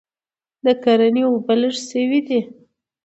د کرني اوبه لږ سوي دي